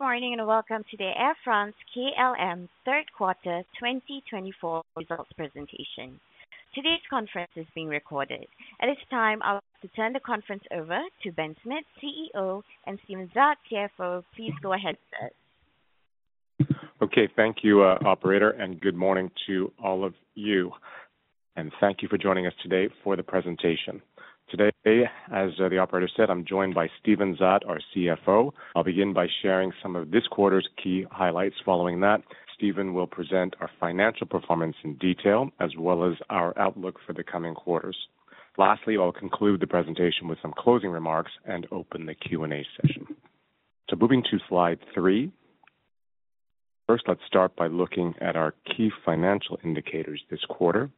Good morning and welcome to the Air France-KLM Third Quarter 2024 Results Presentation. Today's conference is being recorded. At this time, I'll turn the Conference over to Ben Smith, CEO, and Steven Zaat, CFO. Please go ahead. Okay, thank you, Operator, and good morning to all of you. Thank you for joining us today for the presentation. Today, as the Operator said, I'm joined by Steven Zaat, our CFO. I'll begin by sharing some of this quarter's key highlights. Following that, Steven will present our financial performance in detail, as well as our outlook for the coming quarters. Lastly, I'll conclude the presentation with some closing remarks and open the Q&A session. Moving to slide three. First, let's start by looking at our key financial indicators this quarter.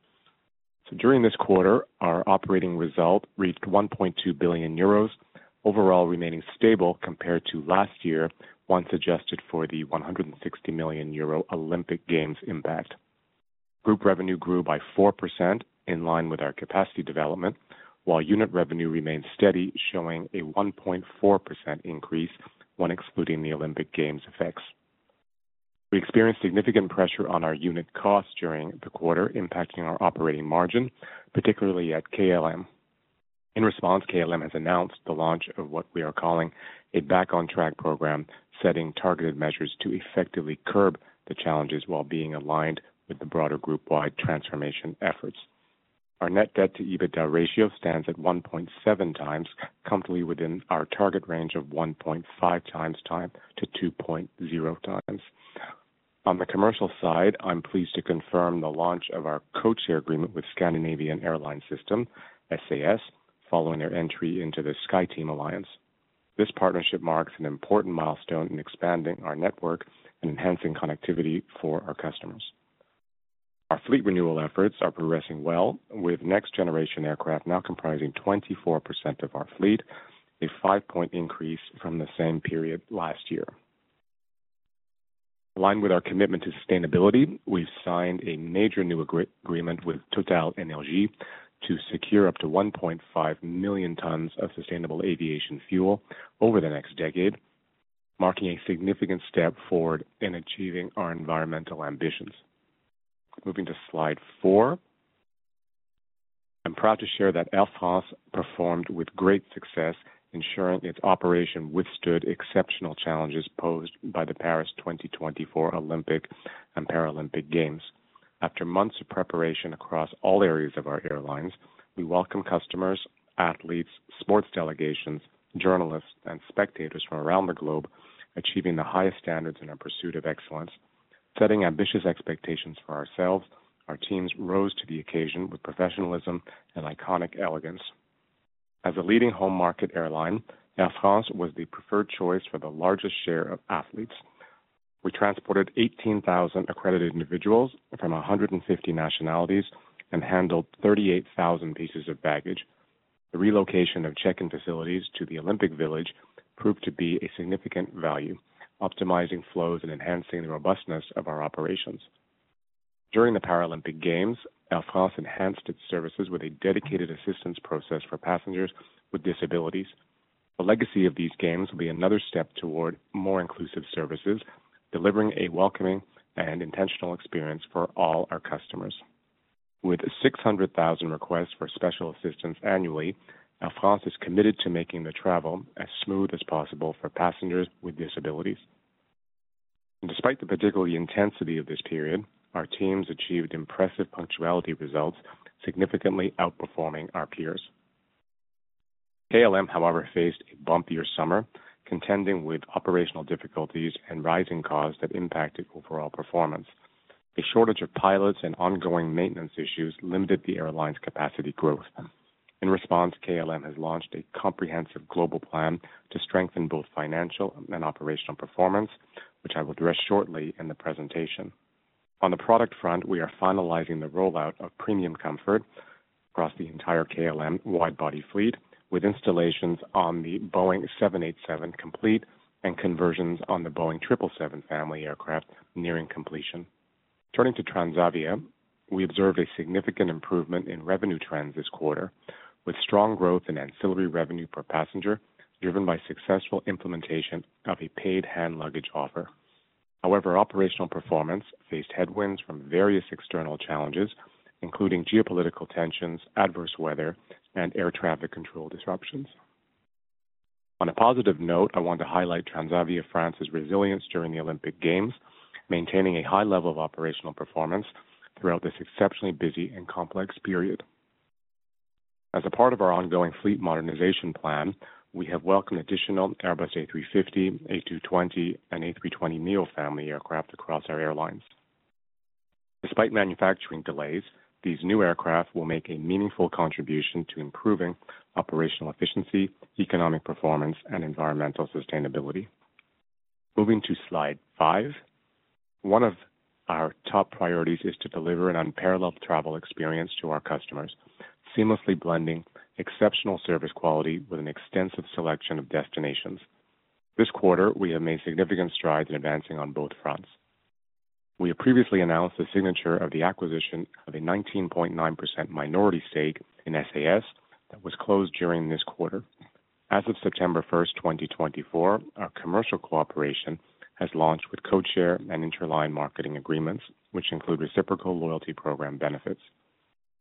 During this quarter, our operating result reached 1.2 billion euros, overall remaining stable compared to last year, once adjusted for the 160 million euro Olympic Games impact. Group revenue grew by 4% in line with our capacity development, while unit revenue remained steady, showing a 1.4% increase, once excluding the Olympic Games effects. We experienced significant pressure on our unit costs during the quarter, impacting our operating margin, particularly at KLM. In response, KLM has announced the launch of what we are calling a Back on Track program, setting targeted measures to effectively curb the challenges while being aligned with the broader group-wide transformation efforts. Our net debt-to-EBITDA ratio stands at 1.7 times, comfortably within our target range of 1.5 times to 2.0 times. On the commercial side, I'm pleased to confirm the launch of our code-share agreement with Scandinavian Airlines System (SAS) following our entry into the SkyTeam Alliance. This partnership marks an important milestone in expanding our network and enhancing connectivity for our customers. Our fleet renewal efforts are progressing well, with next-generation aircraft now comprising 24% of our fleet, a five-point increase from the same period last year. Aligned with our commitment to sustainability, we've signed a major new agreement with TotalEnergies to secure up to 1.5 million tons of sustainable aviation fuel over the next decade, marking a significant step forward in achieving our environmental ambitions. Moving to slide four, I'm proud to share that Air France performed with great success, ensuring its operation withstood exceptional challenges posed by the Paris 2024 Olympic and Paralympic Games. After months of preparation across all areas of our airlines, we welcome customers, athletes, sports delegations, journalists, and spectators from around the globe, achieving the highest standards in our pursuit of excellence, setting ambitious expectations for ourselves. Our teams rose to the occasion with professionalism and iconic elegance. As a leading home market airline, Air France was the preferred choice for the largest share of athletes. We transported 18,000 accredited individuals from 150 nationalities and handled 38,000 pieces of baggage. The relocation of check-in facilities to the Olympic Village proved to be a significant value, optimizing flows and enhancing the robustness of our operations. During the Paralympic Games, Air France enhanced its services with a dedicated assistance process for passengers with disabilities. The legacy of these games will be another step toward more inclusive services, delivering a welcoming and intentional experience for all our customers. With 600,000 requests for special assistance annually, Air France is committed to making the travel as smooth as possible for passengers with disabilities. Despite the particular intensity of this period, our teams achieved impressive punctuality results, significantly outperforming our peers. KLM, however, faced a bumpier summer, contending with operational difficulties and rising costs that impacted overall performance. A shortage of pilots and ongoing maintenance issues limited the airline's capacity growth. In response, KLM has launched a comprehensive global plan to strengthen both financial and operational performance, which I will address shortly in the presentation. On the product front, we are finalizing the rollout of Premium Comfort across the entire KLM Wide Body fleet, with installations on the Boeing 787 complete and conversions on the Boeing 777 Family aircraft nearing completion. Turning to Transavia, we observed a significant improvement in revenue trends this quarter, with strong growth in ancillary revenue per passenger driven by successful implementation of a paid hand luggage offer. However, operational performance faced headwinds from various external challenges, including geopolitical tensions, adverse weather, and air traffic control disruptions. On a positive note, I want to highlight Transavia France's resilience during the Olympic Games, maintaining a high level of operational performance throughout this exceptionally busy and complex period. As a part of our ongoing fleet modernization plan, we have welcomed additional Airbus A350, A220, and A320neo family aircraft across our airlines. Despite manufacturing delays, these new aircraft will make a meaningful contribution to improving operational efficiency, economic performance, and environmental sustainability. Moving to slide five, one of our top priorities is to deliver an unparalleled travel experience to our customers, seamlessly blending exceptional service quality with an extensive selection of destinations. This quarter, we have made significant strides in advancing on both fronts. We have previously announced the signature of the acquisition of a 19.9% minority stake in SAS that was closed during this quarter. As of September 1st, 2024, our commercial cooperation has launched with codeshare and interline marketing agreements, which include reciprocal loyalty program benefits.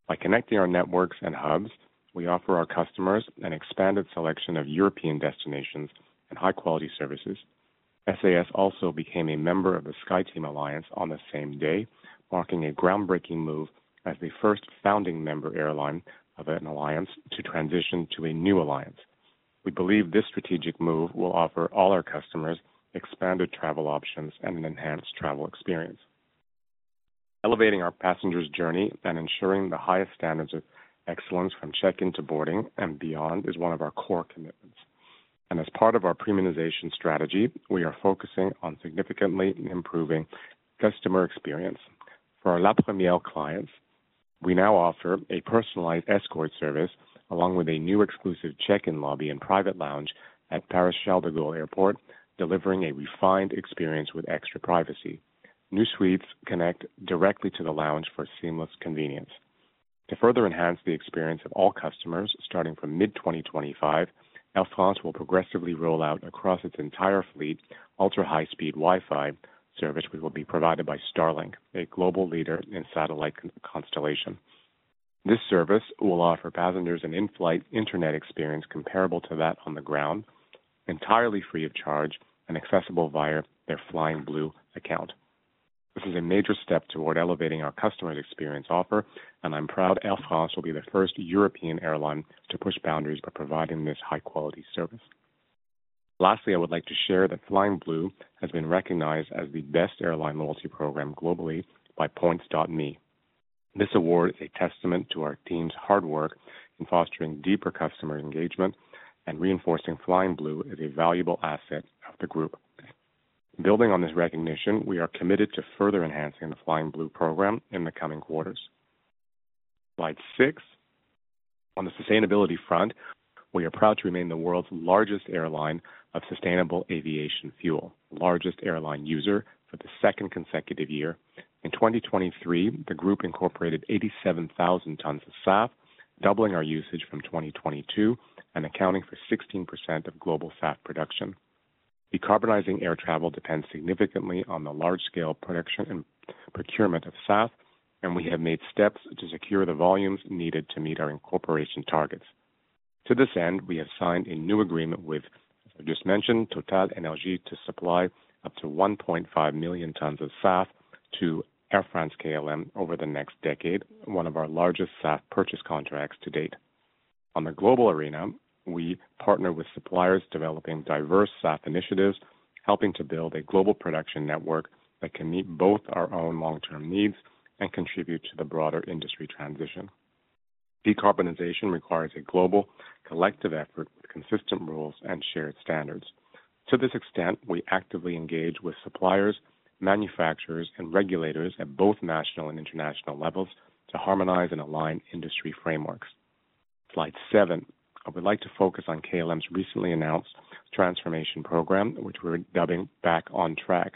By connecting our networks and hubs, we offer our customers an expanded selection of European destinations and high-quality services. SAS also became a member of the SkyTeam Alliance on the same day, marking a groundbreaking move as the first founding member airline of an alliance to transition to a new alliance. We believe this strategic move will offer all our customers expanded travel options and an enhanced travel experience. Elevating our passengers' journey and ensuring the highest standards of excellence from check-in to boarding and beyond is one of our core commitments. And as part of our premiumization strategy, we are focusing on significantly improving customer experience. For our La Première clients, we now offer a personalized escort service along with a new exclusive check-in lobby and private lounge at Paris-Charles de Gaulle Airport, delivering a refined experience with extra privacy. New suites connect directly to the lounge for seamless convenience. To further enhance the experience of all customers, starting from mid-2025, Air France will progressively roll out across its entire fleet ultra-high-speed Wi-Fi service, which will be provided by Starlink, a global leader in satellite constellation. This service will offer passengers an in-flight internet experience comparable to that on the ground, entirely free of charge and accessible via their Flying Blue account. This is a major step toward elevating our customer experience offer, and I'm proud Air France will be the first European airline to push boundaries by providing this high-quality service. Lastly, I would like to share that Flying Blue has been recognized as the best airline loyalty program globally by Point.me. This award is a testament to our team's hard work in fostering deeper customer engagement and reinforcing Flying Blue as a valuable asset of the group. Building on this recognition, we are committed to further enhancing the Flying Blue program in the coming quarters. Slide six. On the sustainability front, we are proud to remain the world's largest airline user of sustainable aviation fuel for the second consecutive year. In 2023, the group incorporated 87,000 tons of SAF, doubling our usage from 2022 and accounting for 16% of global SAF production. Decarbonizing air travel depends significantly on the large-scale production and procurement of SAF, and we have made steps to secure the volumes needed to meet our incorporation targets. To this end, we have signed a new agreement with, as I just mentioned, TotalEnergies to supply up to 1.5 million tons of SAF to Air France-KLM over the next decade, one of our largest SAF purchase contracts to date. On the global arena, we partner with suppliers developing diverse SAF initiatives, helping to build a global production network that can meet both our own long-term needs and contribute to the broader industry transition. Decarbonization requires a global collective effort with consistent rules and shared standards. To this extent, we actively engage with suppliers, manufacturers, and regulators at both national and international levels to harmonize and align industry frameworks. Slide seven. I would like to focus on KLM's recently announced transformation program, which we're dubbing Back on Track.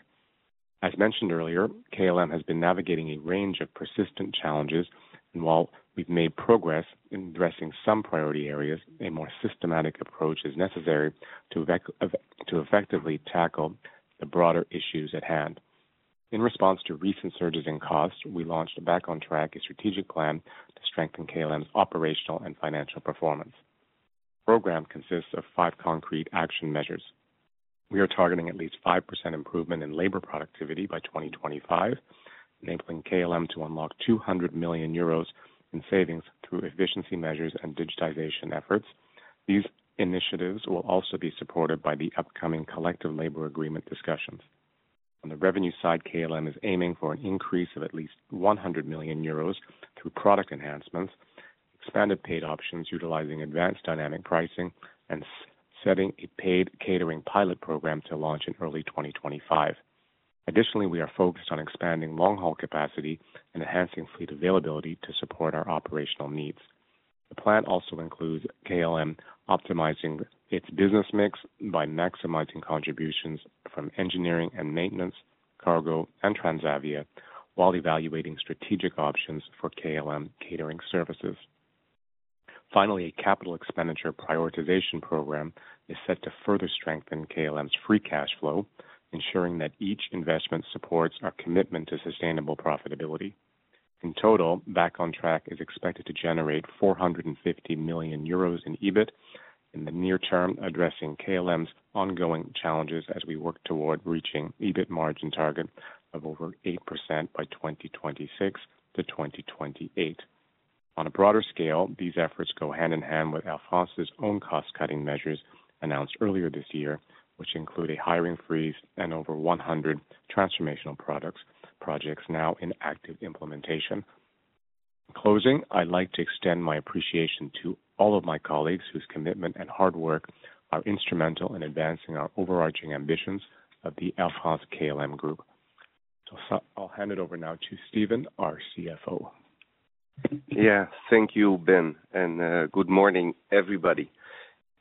As mentioned earlier, KLM has been navigating a range of persistent challenges, and while we've made progress in addressing some priority areas, a more systematic approach is necessary to effectively tackle the broader issues at hand. In response to recent surges in costs, we launched Back on Track, a strategic plan to strengthen KLM's operational and financial performance. The program consists of five concrete action measures. We are targeting at least 5% improvement in labor productivity by 2025, enabling KLM to unlock 200 million euros in savings through efficiency measures and digitization efforts. These initiatives will also be supported by the upcoming collective labor agreement discussions. On the revenue side, KLM is aiming for an increase of at least 100 million euros through product enhancements, expanded paid options utilizing advanced dynamic pricing, and setting a paid catering pilot program to launch in early 2025. Additionally, we are focused on expanding long-haul capacity and enhancing fleet availability to support our operational needs. The plan also includes KLM optimizing its business mix by maximizing contributions from engineering and maintenance, cargo, and Transavia, while evaluating strategic options for KLM catering services. Finally, a capital expenditure prioritization program is set to further strengthen KLM's free cash flow, ensuring that each investment supports our commitment to sustainable profitability. In total, Back on Track is expected to generate € 450 million in EBIT in the near term, addressing KLM's ongoing challenges as we work toward reaching EBIT margin target of over 8% by 2026 to 2028. On a broader scale, these efforts go hand in hand with Air France's own cost-cutting measures announced earlier this year, which include a hiring freeze and over 100 transformational products projects now in active implementation. Closing, I'd like to extend my appreciation to all of my colleagues whose commitment and hard work are instrumental in advancing our overarching ambitions of the Air France-KLM Group. So I'll hand it over now to Steven, our CFO. Yeah, thank you, Ben, and good morning, everybody.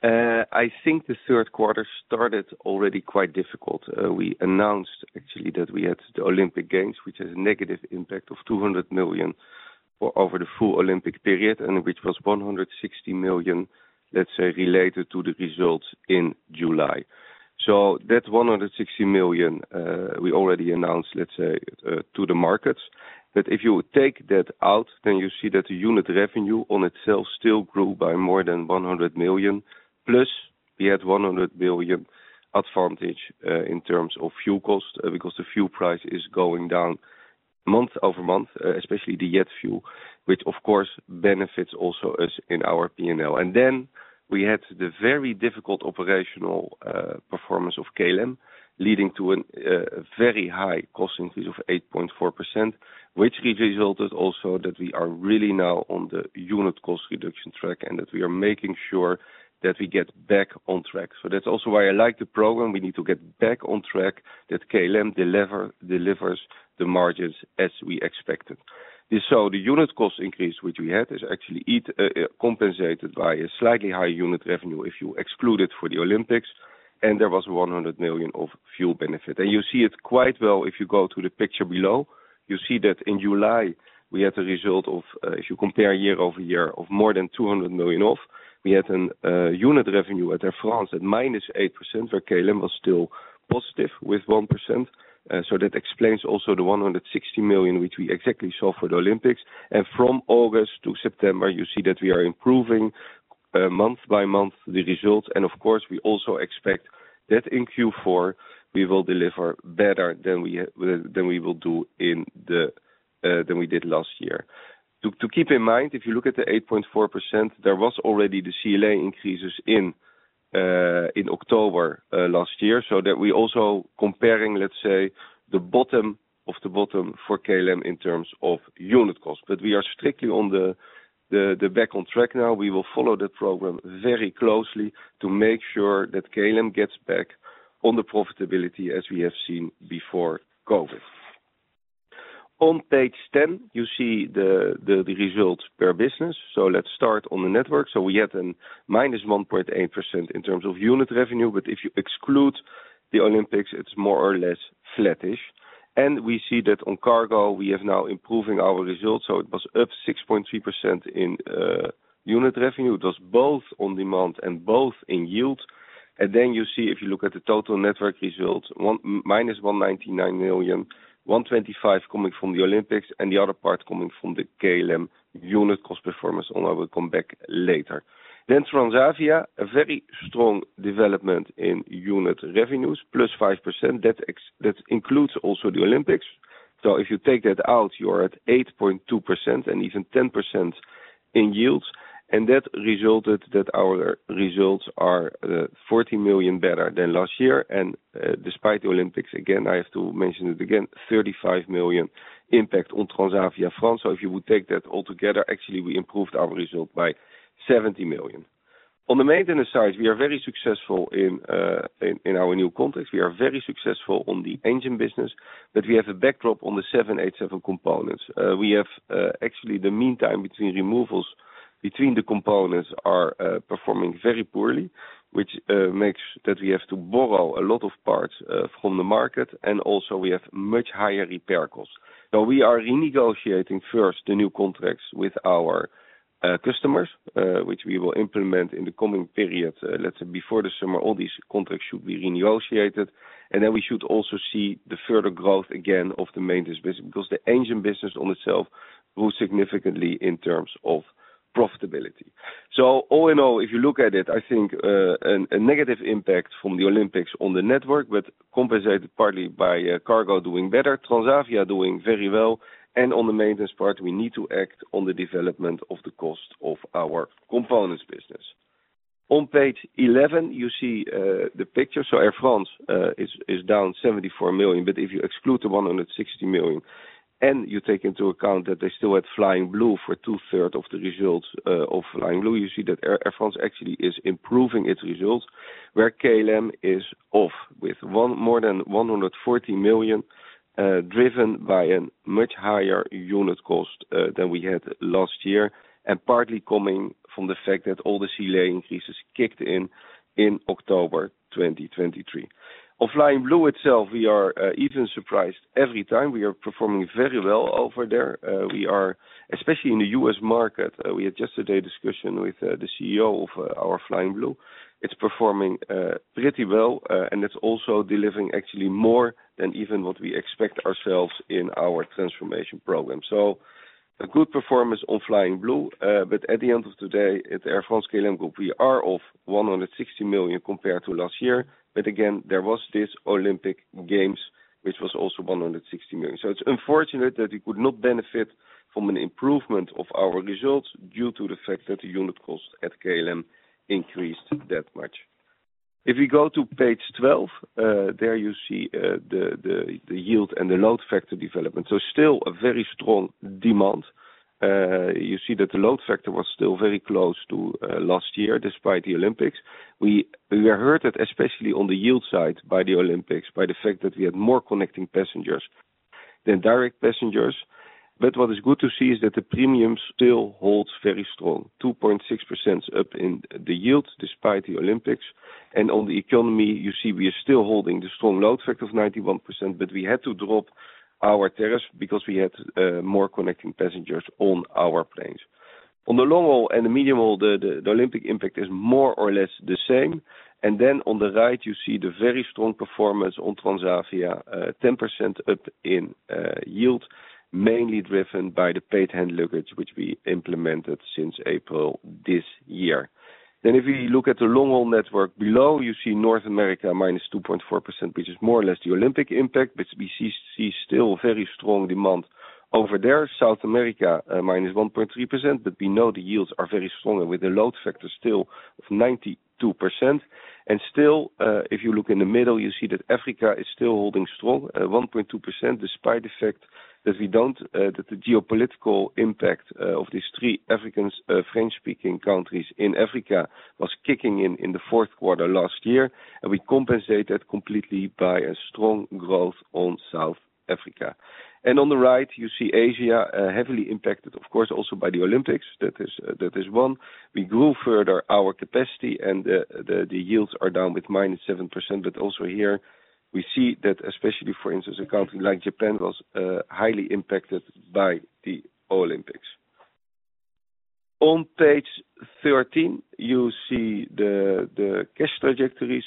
I think the third quarter started already quite difficult. We announced, actually, that we had the Olympic Games, which has a negative impact of 200 million over the full Olympic period, and which was 160 million, let's say, related to the results in July. So that 160 million, we already announced, let's say, to the markets. But if you take that out, then you see that the unit revenue on itself still grew by more than 100 million. Plus, we had 100 million advantage in terms of fuel cost because the fuel price is going down month over month, especially the jet fuel, which, of course, benefits also us in our P&L. And then we had the very difficult operational performance of KLM, leading to a very high cost increase of 8.4%, which resulted also that we are really now on the unit cost reduction track and that we are making sure that we get back on track. So that's also why I like the program. We need to get back on track, that KLM delivers the margins as we expected. So the unit cost increase which we had is actually compensated by a slightly higher unit revenue if you exclude it for the Olympics, and there was 100 million of fuel benefit. And you see it quite well if you go to the picture below. You see that in July, we had a result of, if you compare year over year, more than €200 million. We had a unit revenue at Air France at -8%, where KLM was still positive with 1%. So that explains also the €160 million which we exactly saw for the Olympics. From August to September, you see that we are improving month by month the results. Of course, we also expect that in Q4, we will deliver better than we did last year. To keep in mind, if you look at the 8.4%, there was already the CLA increases in October last year. So that we also comparing, let's say, the bottom of the bottom for KLM in terms of unit cost. But we are strictly on the Back on Track now. We will follow that program very closely to make sure that KLM gets back on the profitability as we have seen before COVID. On page 10, you see the results per business. So let's start on the network. So we had a minus 1.8% in terms of unit revenue, but if you exclude the Olympics, it's more or less flattish. And we see that on cargo, we have now improving our results. So it was up 6.3% in unit revenue. It was both on demand and both in yield. And then you see, if you look at the total network results, minus 199 million, 125 million coming from the Olympics, and the other part coming from the KLM unit cost performance one, I will come back later. Then Transavia, a very strong development in unit revenues, plus 5%. That includes also the Olympics. So if you take that out, you are at 8.2% and even 10% in yields. And that resulted that our results are € 40 million better than last year. And despite the Olympics, again, I have to mention it again, € 35 million impact on Transavia France. So if you would take that altogether, actually, we improved our result by € 70 million. On the maintenance side, we are very successful in our new context. We are very successful on the engine business, but we have a setback on the 7 components. We have actually the mean time between removals between the components are performing very poorly, which makes that we have to borrow a lot of parts from the market, and also we have much higher repair costs. So we are renegotiating first the new contracts with our customers, which we will implement in the coming period, let's say before the summer. All these contracts should be renegotiated, and then we should also see the further growth again of the maintenance business because the engine business on itself grew significantly in terms of profitability, so all in all, if you look at it, I think a negative impact from the Olympics on the network, but compensated partly by cargo doing better, Transavia doing very well, and on the maintenance part, we need to act on the development of the cost of our components business. On page 11, you see the picture. Air France is down 74 million, but if you exclude the 160 million and you take into account that they still had Flying Blue for two-thirds of the results of Flying Blue, you see that Air France actually is improving its results. KLM is off with more than 140 million driven by a much higher unit cost than we had last year, and partly coming from the fact that all the CLA increases kicked in in October 2023. Of Flying Blue itself, we are even surprised every time. We are performing very well over there. We are, especially in the U.S. market, we had yesterday discussion with the CEO of our Flying Blue. It's performing pretty well, and it's also delivering actually more than even what we expect ourselves in our transformation program. So a good performance on Flying Blue, but at the end of the day, at Air France-KLM Group, we are off €160 million compared to last year, but again, there was this Olympic Games, which was also €160 million. So it's unfortunate that we could not benefit from an improvement of our results due to the fact that the unit cost at KLM increased that much. If we go to page 12, there you see the yield and the load factor development. So still a very strong demand. You see that the load factor was still very close to last year despite the Olympics. We were hurt, especially on the yield side by the Olympics, by the fact that we had more connecting passengers than direct passengers. But what is good to see is that the premiums still hold very strong, 2.6% up in the yield despite the Olympics. On the economy, you see we are still holding the strong load factor of 91%, but we had to drop our tariffs because we had more connecting passengers on our planes. On the long haul and the medium haul, the Olympic impact is more or less the same. On the right, you see the very strong performance on Transavia, 10% up in yield, mainly driven by the paid hand luggage, which we implemented since April this year. If you look at the long haul network below, you see North America minus 2.4%, which is more or less the Olympic impact, but we see still very strong demand over there. South America minus 1.3%, but we know the yields are very strong with the load factor still of 92%. Still, if you look in the middle, you see that Africa is still holding strong, 1.2%, despite the fact that we felt that the geopolitical impact of these three African French-speaking countries in Africa was kicking in in the fourth quarter last year, and we compensate that completely by a strong growth on South Africa. On the right, you see Asia heavily impacted, of course, also by the Olympics. That is one. We grew further our capacity, and the yields are down with -7%. But also here, we see that especially, for instance, a country like Japan was highly impacted by the Olympics. On page 13, you see the cash trajectory.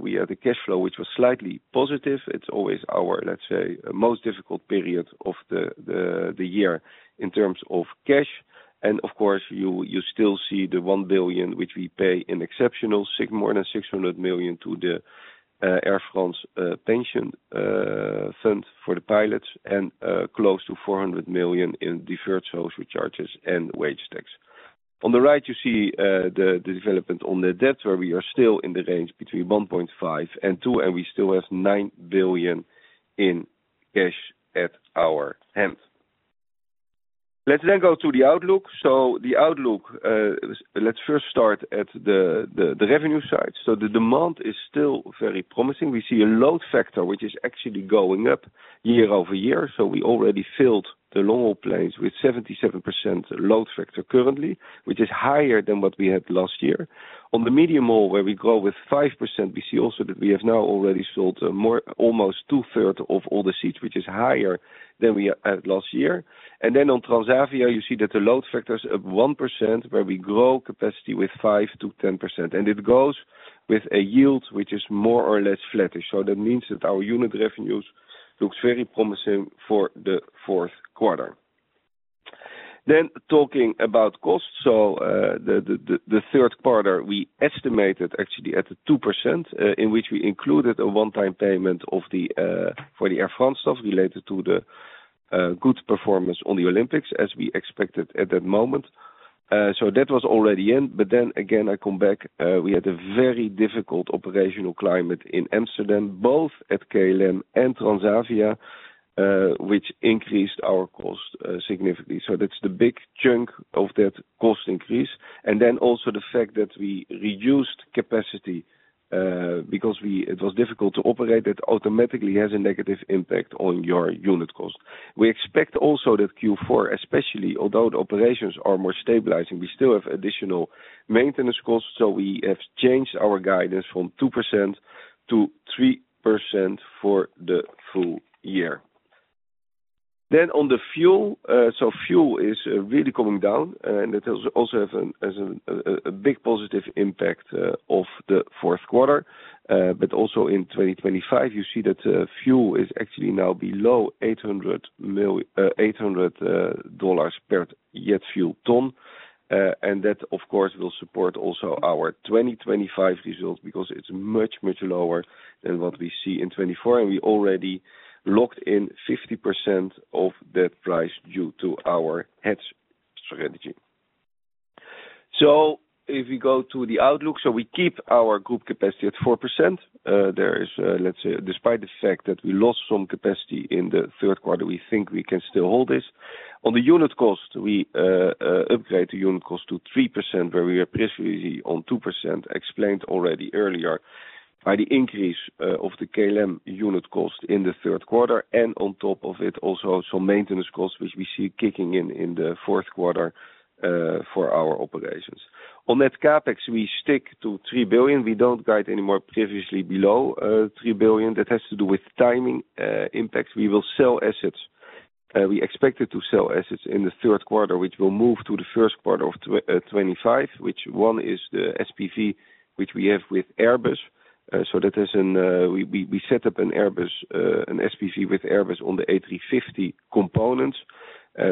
We had a cash flow which was slightly positive. It's always our, let's say, most difficult period of the year in terms of cash. And of course, you still see the €1 billion, which we pay in exceptional more than €600 million to the Air France pension fund for the pilots and close to €400 million in deferred social charges and wage tax. On the right, you see the development on the debt, where we are still in the range between 1.5 and 2, and we still have €9 billion in cash at our hand. Let's then go to the outlook. So the outlook, let's first start at the revenue side. So the demand is still very promising. We see a load factor which is actually going up year over year. So we already filled the long haul planes with 77% load factor currently, which is higher than what we had last year. On the medium haul, where we grow with 5%, we see also that we have now already sold almost two-thirds of all the seats, which is higher than we had last year, and then on Transavia, you see that the load factor is up 1%, where we grow capacity with 5% to 10%, and it goes with a yield which is more or less flattish, so that means that our unit revenues look very promising for the fourth quarter, then talking about costs, so the third quarter, we estimated actually at the 2%, in which we included a one-time payment for the Air France stuff related to the good performance on the Olympics, as we expected at that moment, so that was already in, but then again, I come back, we had a very difficult operational climate in Amsterdam, both at KLM and Transavia, which increased our cost significantly. That's the big chunk of that cost increase. The fact that we reduced capacity because it was difficult to operate automatically has a negative impact on your unit cost. We expect also that Q4, especially although the operations are more stabilizing, we still have additional maintenance costs. We have changed our guidance from 2% to 3% for the full year. Fuel is really coming down, and that also has a big positive impact of the fourth quarter. In 2025, you see that fuel is actually now below $800 per jet fuel ton. And that, of course, will support also our 2025 result because it's much, much lower than what we see in 2024, and we already locked in 50% of that price due to our hedge strategy. If we go to the outlook, we keep our group capacity at 4%. There is, let's say, despite the fact that we lost some capacity in the third quarter, we think we can still hold this. On the unit cost, we upgrade the unit cost to 3%, where we are previously on 2%, explained already earlier by the increase of the KLM unit cost in the third quarter. And on top of it, also some maintenance costs, which we see kicking in in the fourth quarter for our operations. On that CapEx, we stick to €3 billion. We don't guide anymore previously below €3 billion. That has to do with timing impacts. We will sell assets. We expected to sell assets in the third quarter, which will move to the first quarter of 2025, which one is the SPV, which we have with Airbus. So, that has, and we set up an Airbus, an SPV with Airbus on the A350 components.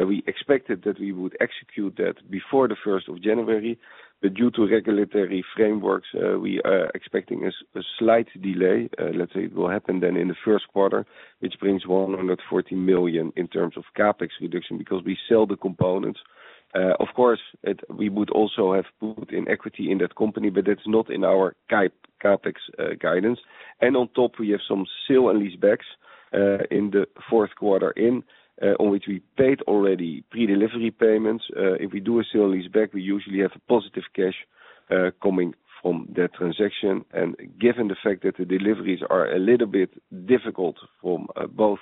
We expected that we would execute that before the 1st of January, but due to regulatory frameworks, we are expecting a slight delay. Let's say it will happen then in the first quarter, which brings €140 million in terms of CapEx reduction because we sell the components. Of course, we would also have put in equity in that company, but that's not in our CapEx guidance, and on top, we have some sale and lease backs in the fourth quarter, on which we paid already pre-delivery payments. If we do a sale and lease back, we usually have a positive cash coming from that transaction. Given the fact that the deliveries are a little bit difficult from both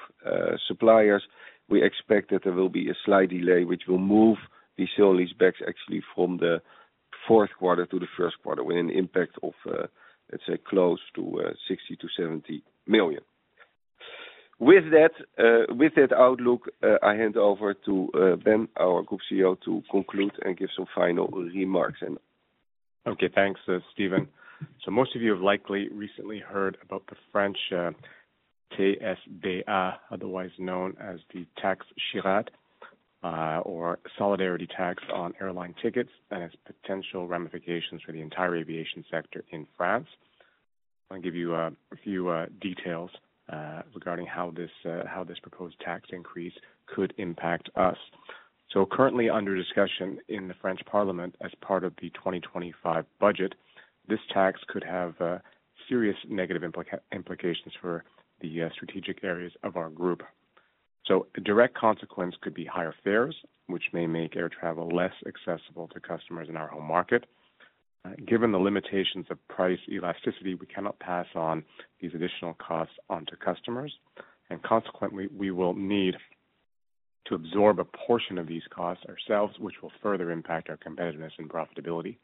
suppliers, we expect that there will be a slight delay, which will move the sale and lease backs actually from the fourth quarter to the first quarter with an impact of, let's say, close to €60-€70 million. With that outlook, I hand over to Ben, our Group CEO, to conclude and give some final remarks. Okay, thanks, Steven. Most of you have likely recently heard about the French TSBA, otherwise known as the Tax Chirac or Solidarity Tax on airline tickets and its potential ramifications for the entire aviation sector in France. I'll give you a few details regarding how this proposed tax increase could impact us. Currently under discussion in the French Parliament as part of the 2025 budget, this tax could have serious negative implications for the strategic areas of our group. A direct consequence could be higher fares, which may make air travel less accessible to customers in our home market. Given the limitations of price elasticity, we cannot pass on these additional costs onto customers. Consequently, we will need to absorb a portion of these costs ourselves, which will further impact our competitiveness and profitability.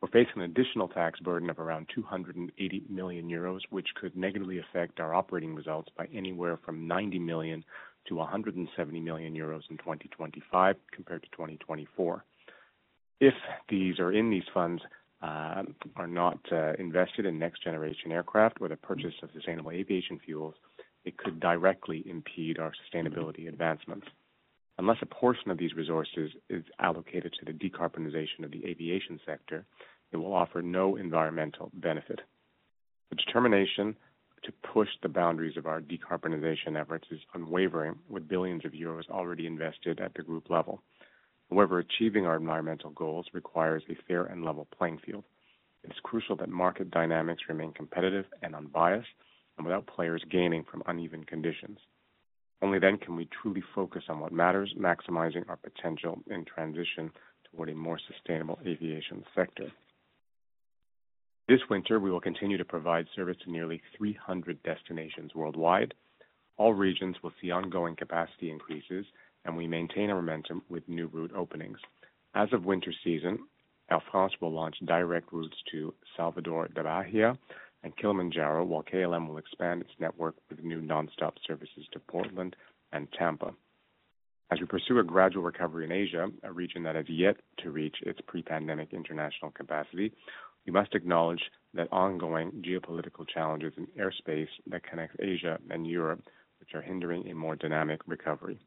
We're facing an additional tax burden of around 280 million euros, which could negatively affect our operating results by anywhere from 90 million to 170 million euros in 2025 compared to 2024. If these funds are not invested in next-generation aircraft or the purchase of sustainable aviation fuels, it could directly impede our sustainability advancements. Unless a portion of these resources is allocated to the decarbonization of the aviation sector, it will offer no environmental benefit. The determination to push the boundaries of our decarbonization efforts is unwavering, with billions of euros already invested at the group level. However, achieving our environmental goals requires a fair and level playing field. It's crucial that market dynamics remain competitive and unbiased and without players gaining from uneven conditions. Only then can we truly focus on what matters, maximizing our potential in transition toward a more sustainable aviation sector. This winter, we will continue to provide service to nearly 300 destinations worldwide. All regions will see ongoing capacity increases, and we maintain our momentum with new route openings. As of winter season, Air France will launch direct routes to Salvador de Bahia and Kilimanjaro, while KLM will expand its network with new non-stop services to Portland and Tampa. As we pursue a gradual recovery in Asia, a region that has yet to reach its pre-pandemic international capacity, we must acknowledge that ongoing geopolitical challenges in airspace that connect Asia and Europe are hindering a more dynamic recovery.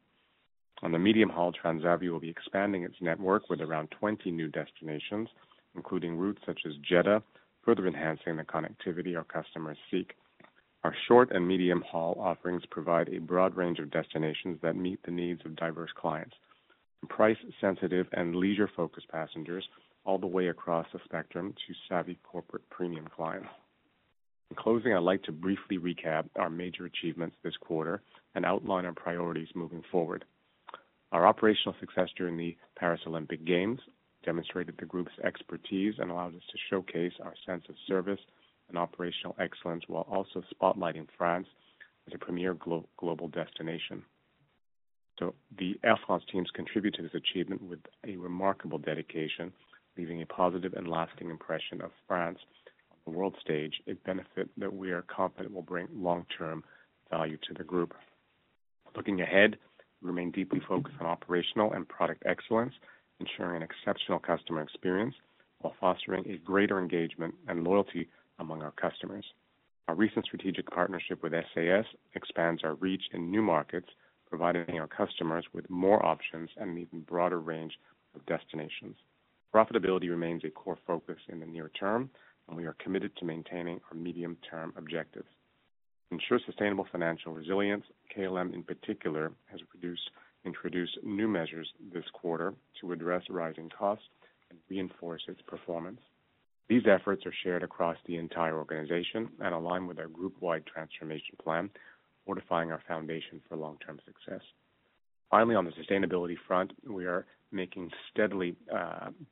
On the medium haul, Transavia will be expanding its network with around 20 new destinations, including routes such as Jeddah, further enhancing the connectivity our customers seek. Our short and medium haul offerings provide a broad range of destinations that meet the needs of diverse clients, price-sensitive and leisure-focused passengers all the way across the spectrum to savvy corporate premium clients. In closing, I'd like to briefly recap our major achievements this quarter and outline our priorities moving forward. Our operational success during the Paris Olympic Games demonstrated the group's expertise and allowed us to showcase our sense of service and operational excellence while also spotlighting France as a premier global destination, so the Air France teams contribute to this achievement with a remarkable dedication, leaving a positive and lasting impression of France on the world stage, a benefit that we are confident will bring long-term value to the group. Looking ahead, we remain deeply focused on operational and product excellence, ensuring an exceptional customer experience while fostering a greater engagement and loyalty among our customers. Our recent strategic partnership with SAS expands our reach in new markets, providing our customers with more options and an even broader range of destinations. Profitability remains a core focus in the near term, and we are committed to maintaining our medium-term objectives. To ensure sustainable financial resilience, KLM in particular has introduced new measures this quarter to address rising costs and reinforce its performance. These efforts are shared across the entire organization and align with our group-wide transformation plan, fortifying our foundation for long-term success. Finally, on the sustainability front, we are making steadily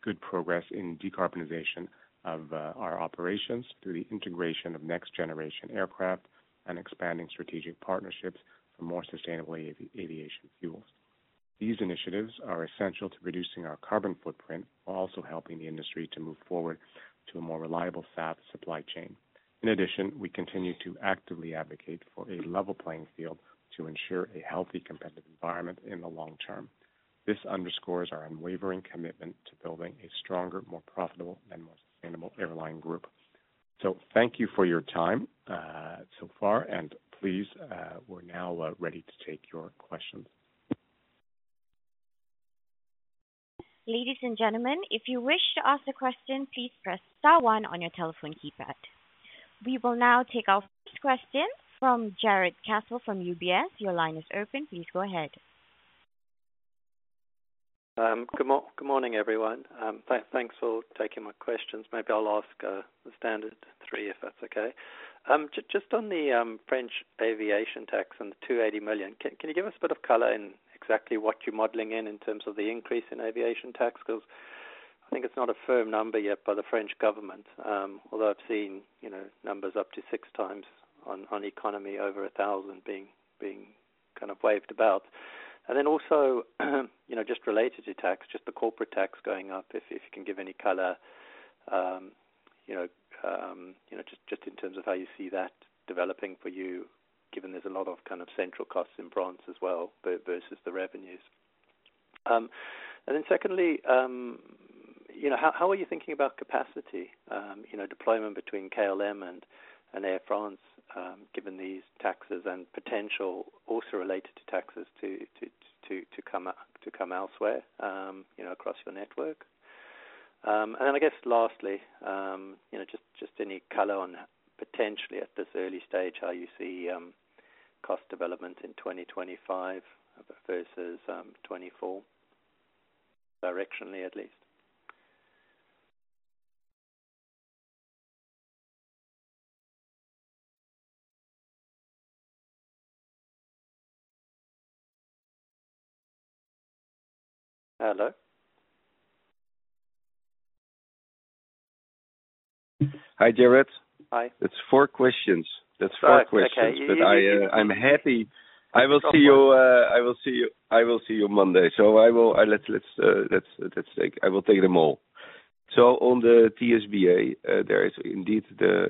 good progress in decarbonization of our operations through the integration of next-generation aircraft and expanding strategic partnerships for more sustainable aviation fuels. These initiatives are essential to reducing our carbon footprint while also helping the industry to move forward to a more reliable SAF supply chain. In addition, we continue to actively advocate for a level playing field to ensure a healthy competitive environment in the long term. This underscores our unwavering commitment to building a stronger, more profitable, and more sustainable airline group. So thank you for your time so far, and please, we're now ready to take your questions. Ladies and gentlemen, if you wish to ask a question, please press star one on your telephone keypad. We will now take our first question from Jarrod Castle from UBS. Your line is open. Please go ahead. Good morning, everyone. Thanks for taking my questions. Maybe I'll ask the standard three if that's okay. Just on the French aviation tax and the €280 million, can you give us a bit of color in exactly what you're modeling in terms of the increase in aviation tax? Because I think it's not a firm number yet by the French government, although I've seen numbers up to six times on economy over 1,000 being kind of waved about. And then also just related to tax, just the corporate tax going up, if you can give any color, just in terms of how you see that developing for you, given there's a lot of kind of central costs in France as well versus the revenues. And then secondly, how are you thinking about capacity deployment between KLM and Air France, given these taxes and potential also related to taxes to come elsewhere across your network? And then I guess lastly, just any color on potentially at this early stage, how you see cost development in 2025 versus 2024, directionally at least? Hello? Hi, Jarrod. Hi. It's four questions. That's four questions. Okay. You're good. I'm happy. I will see you Monday. So I will take them all. So on the TSBA, there is indeed a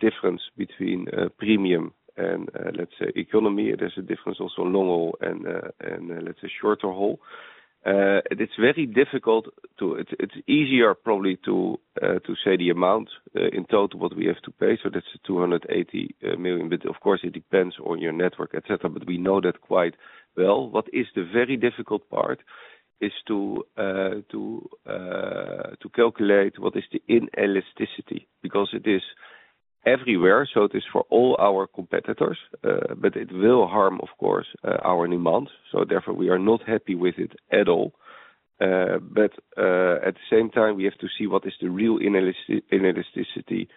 difference between premium and, let's say, economy. There's a difference also long haul and, let's say, shorter haul. It's very difficult. It's easier probably to say the amount in total what we have to pay, so that's € 280 million, but of course, it depends on your network, etc., but we know that quite well. What is the very difficult part is to calculate what is the inelasticity because it is everywhere, so it is for all our competitors, but it will harm, of course, our demands, so therefore, we are not happy with it at all, but at the same time, we have to see what is the real inelasticity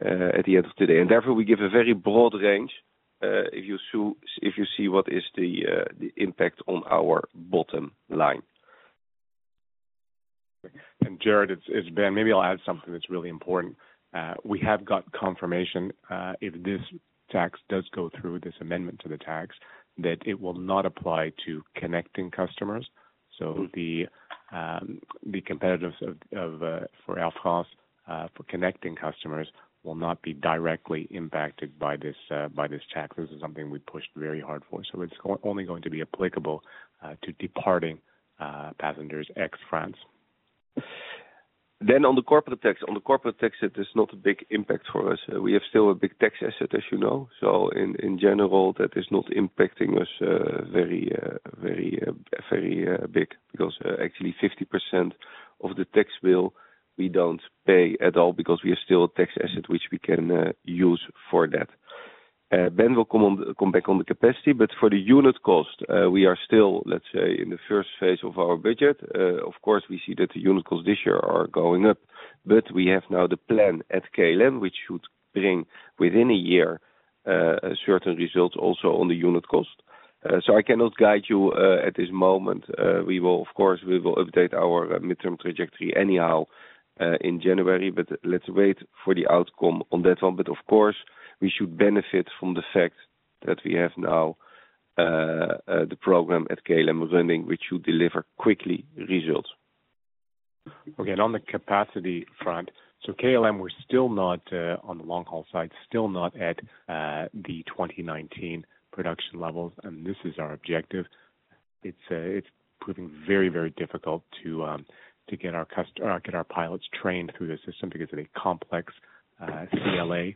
at the end of the day, and therefore, we give a very broad range if you see what is the impact on our bottom line. and Jarrod, it's Ben. Maybe I'll add something that's really important. We have got confirmation if this tax does go through, this amendment to the tax, that it will not apply to connecting customers, so the competitors for Air France for connecting customers will not be directly impacted by this tax. This is something we pushed very hard for, so it's only going to be applicable to departing passengers ex-France. Then on the corporate tax, on the corporate tax, it is not a big impact for us. We have still a big tax asset, as you know. So in general, that is not impacting us very, very, very big because actually 50% of the tax bill we don't pay at all because we are still a tax asset which we can use for that. Ben will come back on the capacity, but for the unit cost, we are still, let's say, in the first phase of our budget. Of course, we see that the unit costs this year are going up, but we have now the plan at KLM, which should bring within a year certain results also on the unit cost, so I cannot guide you at this moment. We will, of course, we will update our midterm trajectory anyhow in January, but let's wait for the outcome on that one, but of course, we should benefit from the fact that we have now the program at KLM running, which should deliver quickly results. Okay, and on the capacity front, so KLM, we're still not on the long haul side, still not at the 2019 production levels, and this is our objective. It's proving very, very difficult to get our pilots trained through the system because it's a complex CLA.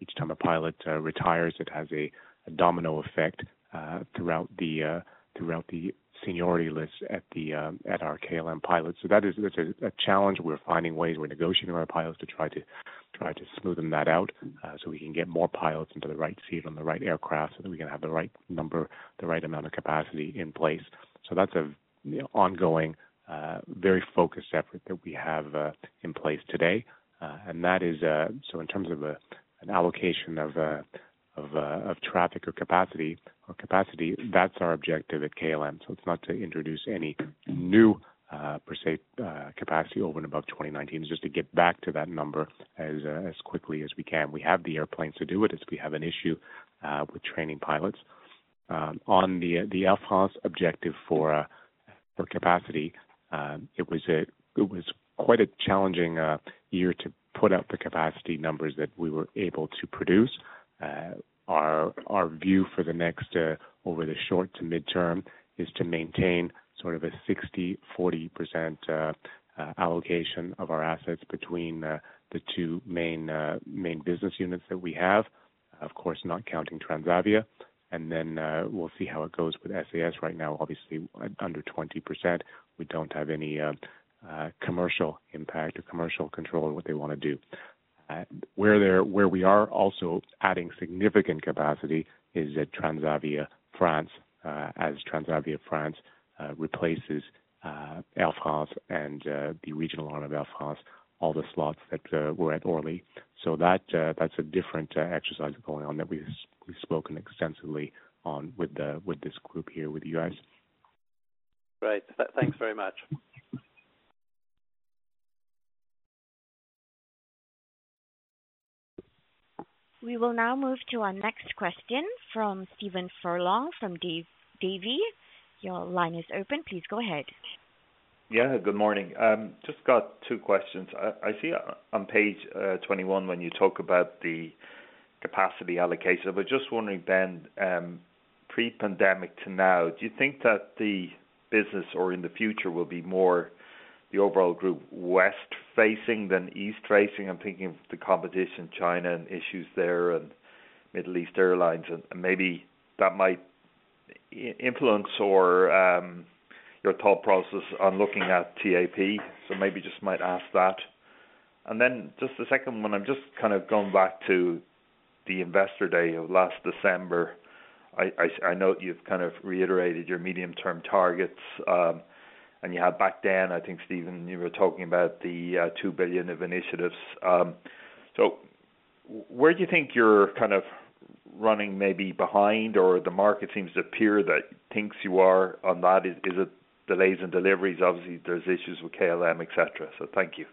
Each time a pilot retires, it has a domino effect throughout the seniority list at our KLM pilots. So that's a challenge. We're finding ways. We're negotiating with our pilots to try to smoothen that out so we can get more pilots into the right seat on the right aircraft so that we can have the right number, the right amount of capacity in place. So that's an ongoing, very focused effort that we have in place today. And that is so in terms of an allocation of traffic or capacity, that's our objective at KLM. So it's not to introduce any new per se capacity over and above 2019. It's just to get back to that number as quickly as we can. We have the airplanes to do it. We have an issue with training pilots. On the Air France objective for capacity, it was quite a challenging year to put out the capacity numbers that we were able to produce. Our view for the next over the short to midterm is to maintain sort of a 60%-40% allocation of our assets between the two main business units that we have, of course, not counting Transavia, and then we'll see how it goes with SAS right now. Obviously, under 20%. We don't have any commercial impact or commercial control of what they want to do. Where we are also adding significant capacity is at Transavia France as Transavia France replaces Air France and the regional arm of Air France, all the slots that were at Orly, so that's a different exercise going on that we've spoken extensively on with this group here with you guys. Right. Thanks very much. We will now move to our next question from Stephen Furlong from Davy. Your line is open. Please go ahead. Yeah. Good morning. Just got two questions. I see on page 21 when you talk about the capacity allocation, but just wondering, Ben, pre-pandemic to now, do you think that the business or in the future will be more the overall group west-facing than east-facing? I'm thinking of the competition, China and issues there and Middle East Airlines. And maybe that might influence your thought process on looking at TAP. So maybe just might ask that. And then just the second one, I'm just kind of going back to the investor day of last December. I know you've kind of reiterated your medium-term targets. And you had back then, I think, Steven, you were talking about the €2 billion of initiatives. So, where do you think you're kind of running maybe behind or the market seems to appear that thinks you are on that? Is it delays in deliveries? Obviously, there's issues with KLM, etc. So thank you.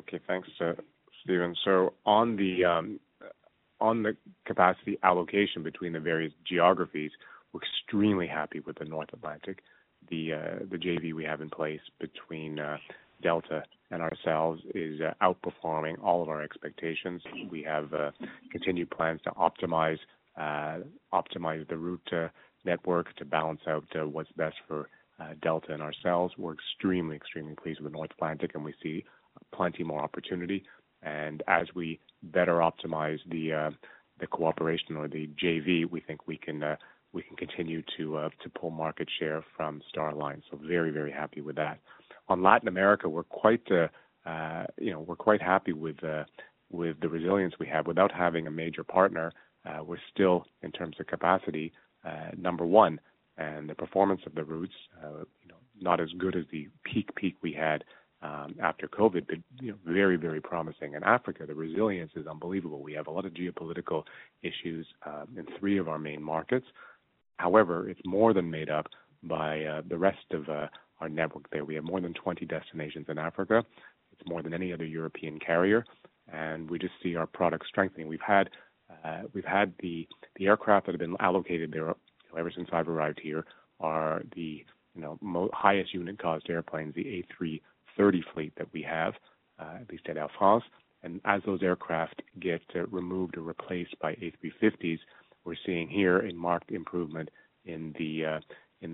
Okay. Thanks, Steven. So, on the capacity allocation between the various geographies, we're extremely happy with the North Atlantic. The JV we have in place between Delta and ourselves is outperforming all of our expectations. We have continued plans to optimize the route network to balance out what's best for Delta and ourselves. We're extremely, extremely pleased with North Atlantic, and we see plenty more opportunity. And as we better optimize the cooperation or the JV, we think we can continue to pull market share from Star Alliance. So very, very happy with that. On Latin America, we're quite happy with the resilience we have. Without having a major partner, we're still, in terms of capacity, number one, and the performance of the routes, not as good as the peak peak we had after COVID, but very, very promising. In Africa, the resilience is unbelievable. We have a lot of geopolitical issues in three of our main markets. However, it's more than made up by the rest of our network there. We have more than 20 destinations in Africa. It's more than any other European carrier, and we just see our product strengthening. We've had the aircraft that have been allocated there ever since I've arrived here are the highest unit cost airplanes, the A330 fleet that we have, at least at Air France, and as those aircraft get removed or replaced by A350s, we're seeing here a marked improvement in the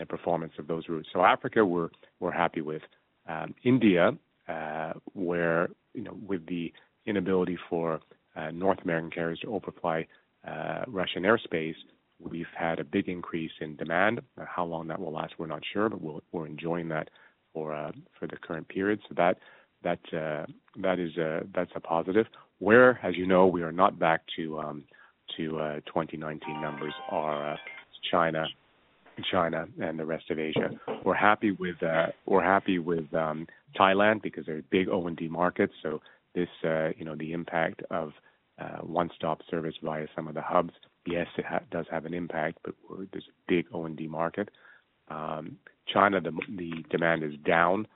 performance of those routes, so Africa, we're happy with. India, where with the inability for North American carriers to overfly Russian airspace, we've had a big increase in demand. How long that will last, we're not sure, but we're enjoying that for the current period. So that is a positive. Where, as you know, we are not back to 2019 numbers in China and the rest of Asia. We're happy with Thailand because they're a big O&D market. So the impact of one-stop service via some of the hubs, yes, it does have an impact, but there's a big O&D market. China, the demand is down.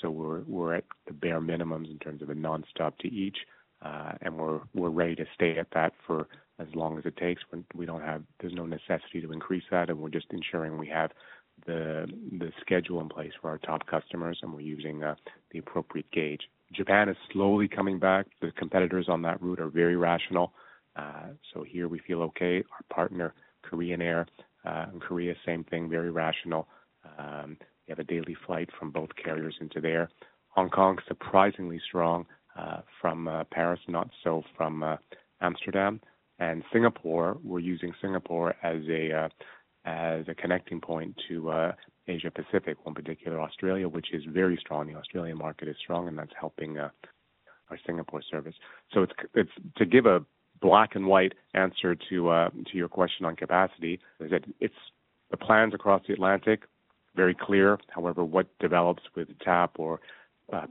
So we're at the bare minimums in terms of a nonstop to each. And we're ready to stay at that for as long as it takes. There's no necessity to increase that. And we're just ensuring we have the schedule in place for our top customers, and we're using the appropriate gauge. Japan is slowly coming back. The competitors on that route are very rational. So here we feel okay. Our partner, Korean Air, and Korea, same thing, very rational. We have a daily flight from both carriers into there. Hong Kong, surprisingly strong from Paris, not so from Amsterdam, and Singapore, we're using Singapore as a connecting point to Asia-Pacific, in particular, Australia, which is very strong. The Australian market is strong, and that's helping our Singapore service. So to give a black-and-white answer to your question on capacity, is that the plans across the Atlantic are very clear. However, what develops with TAP or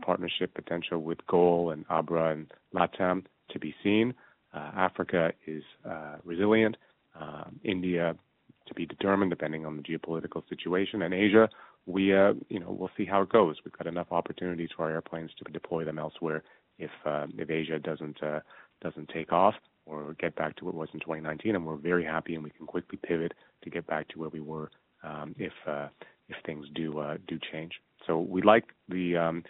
partnership potential with GOL and Abra and LATAM to be seen. Africa is resilient. India to be determined depending on the geopolitical situation, and Asia, we'll see how it goes. We've got enough opportunities for our airplanes to deploy them elsewhere if Asia doesn't take off or get back to what it was in 2019, and we're very happy, and we can quickly pivot to get back to where we were if things do change, so we like the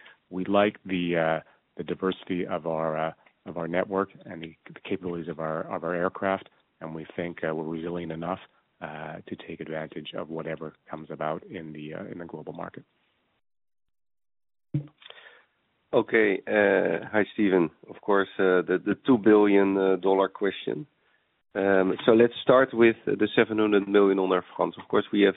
diversity of our network and the capabilities of our aircraft, and we think we're resilient enough to take advantage of whatever comes about in the global market. Okay. Hi, Steven. Of course, the $2 billion question, so let's start with the 700 million on Air France. Of course, we have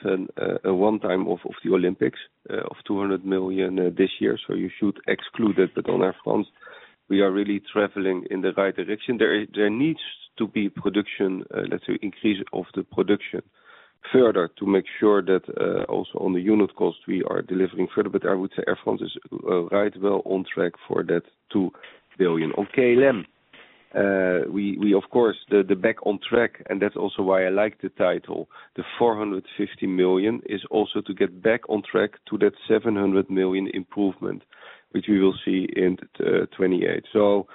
a one-time cost of the Olympics of 200 million this year, so you should exclude it, but on Air France, we are really traveling in the right direction. There needs to be production, let's say, increase of the production further to make sure that also on the unit cost, we are delivering further. But I would say Air France is right well on track for that $2 billion. On KLM, we, of course, the Back on Track, and that's also why I like the title, the $450 million is also to get back on track to that $700 million improvement, which we will see in 2028. So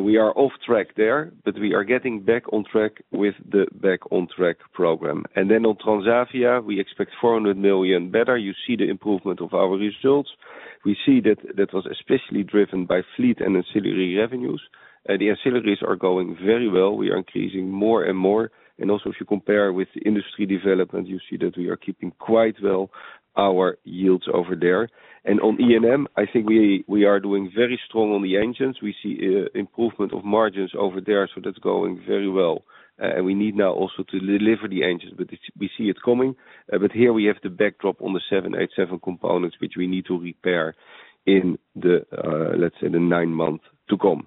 we are off track there, but we are getting back on track with the Back on Track program. And then on Transavia, we expect $400 million better. You see the improvement of our results. We see that that was especially driven by fleet and ancillary revenues. The ancillaries are going very well. We are increasing more and more. And also, if you compare with industry development, you see that we are keeping quite well our yields over there. And on E&M, I think we are doing very strong on the engines. We see improvement of margins over there, so that's going very well. And we need now also to deliver the engines, but we see it coming. But here we have the backdrop on the 787 components, which we need to repair in the, let's say, the nine months to come.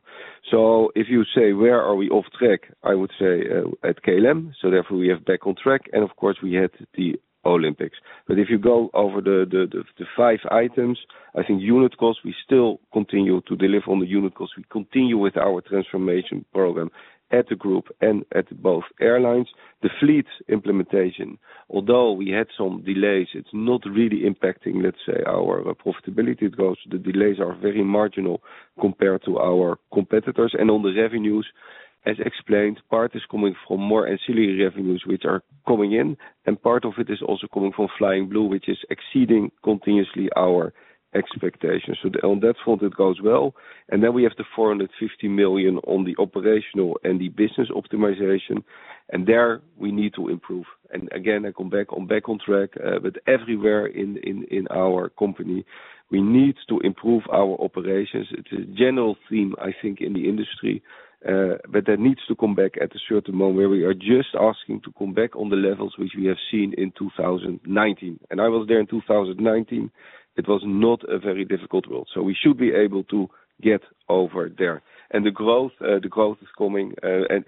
So if you say, "Where are we off track?" I would say at KLM. So therefore, we have Back on Track. And of course, we had the Olympics. But if you go over the five items, I think unit cost, we still continue to deliver on the unit cost. We continue with our transformation program at the group and at both airlines. The fleet implementation, although we had some delays, it's not really impacting, let's say, our profitability. The delays are very marginal compared to our competitors, and on the revenues, as explained, part is coming from more ancillary revenues, which are coming in, and part of it is also coming from Flying Blue, which is exceeding continuously our expectations, so on that front, it goes well, and then we have the $450 million on the operational and the business optimization, and there we need to improve, and again, I come back on Back on Track, but everywhere in our company, we need to improve our operations. It's a general theme, I think, in the industry, but that needs to come back at a certain moment where we are just asking to come back on the levels which we have seen in 2019, and I was there in 2019. It was not a very difficult world. So we should be able to get over there. The growth is coming, and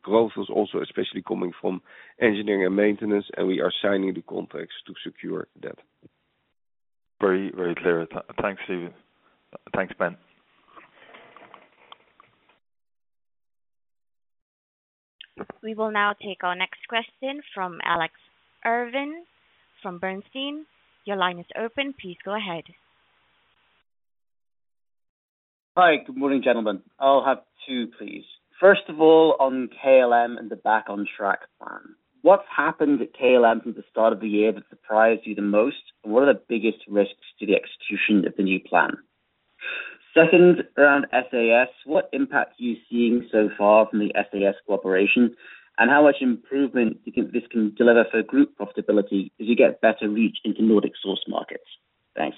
growth is also especially coming from engineering and maintenance, and we are signing the contracts to secure that. Very, very clear. Thanks, Steven. Thanks, Ben. We will now take our next question from Alex Irving from Bernstein. Your line is open. Please go ahead. Hi. Good morning, gentlemen. I'll have two, please. First of all, on KLM and the Back on Track plan. What's happened at KLM from the start of the year that surprised you the most? And what are the biggest risks to the execution of the new plan? Second, around SAS, what impact are you seeing so far from the SAS cooperation? And how much improvement this can deliver for group profitability as you get better reach into Nordic source markets? Thanks.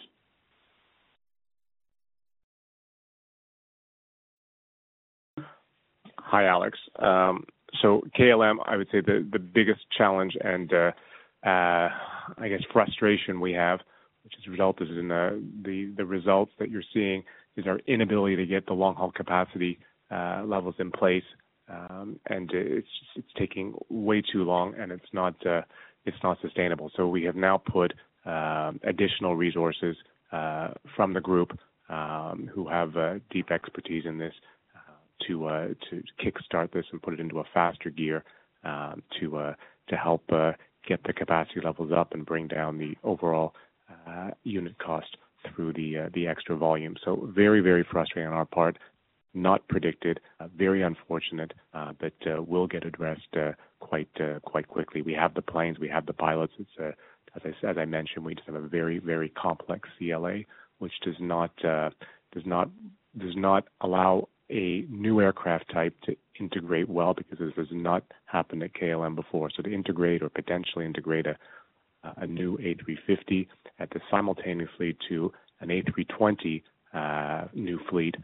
Hi, Alex. KLM, I would say the biggest challenge and, I guess, frustration we have, which has resulted in the results that you're seeing, is our inability to get the long-haul capacity levels in place. And it's taking way too long, and it's not sustainable. We have now put additional resources from the group who have deep expertise in this to kickstart this and put it into a faster gear to help get the capacity levels up and bring down the overall unit cost through the extra volume. Very, very frustrating on our part, not predicted, very unfortunate, but will get addressed quite quickly. We have the planes. We have the pilots. As I mentioned, we just have a very, very complex CLA, which does not allow a new aircraft type to integrate well because this has not happened at KLM before. To integrate or potentially integrate a new A350 at the simultaneously to an A320 new fleet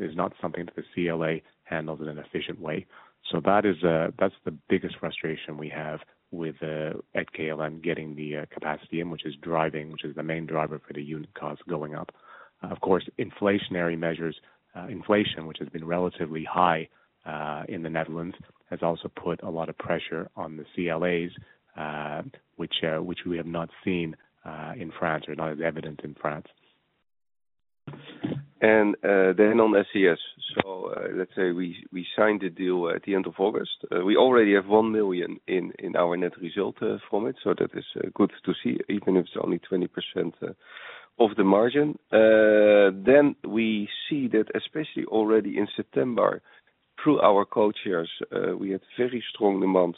is not something that the CLA handles in an efficient way. That's the biggest frustration we have at KLM getting the capacity in, which is driving, which is the main driver for the unit cost going up. Of course, inflationary measures, inflation, which has been relatively high in the Netherlands, has also put a lot of pressure on the CLAs, which we have not seen in France or not as evident in France. Then on SAS, let's say we signed the deal at the end of August. We already have €1 million in our net result from it. That is good to see, even if it's only 20% of the margin. Then we see that especially already in September, through our hubs, we had very strong demand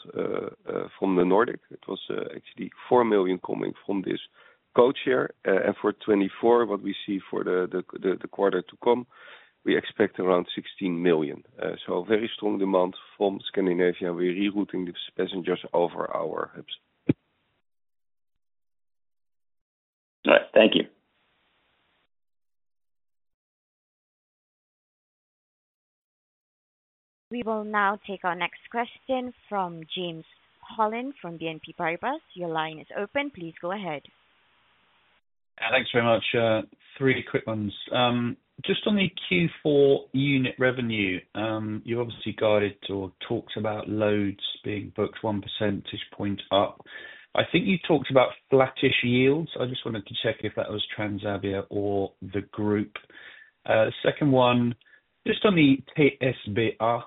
from the Nordics. It was actually 4 million coming from this hub. And for 2024, what we see for the quarter to come, we expect around 16 million. So very strong demand from Scandinavia. We're rerouting the passengers over our hubs. All right. Thank you. We will now take our next question from James Hollins from BNP Paribas. Your line is open. Please go ahead. Thanks very much. Three quick ones. Just on the Q4 unit revenue, you obviously guided or talked about loads being booked 1 percentage point up. I think you talked about flattish yields. I just wanted to check if that was Transavia or the group. Second one, just on the PSBR,